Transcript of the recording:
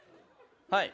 はい。